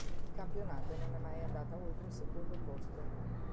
In campionato non è mai andata oltre il secondo posto.